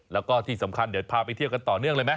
แล้วก็ที่สำคัญเดี๋ยวพาไปเที่ยวกันต่อเนื่องเลยไหม